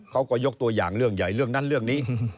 เขาก็ยกตัวอย่างเรื่องใหญ่เรื่องนั้นเรื่องนี้